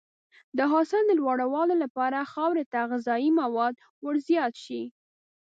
د حاصل د لوړوالي لپاره خاورې ته غذایي مواد ورزیات شي.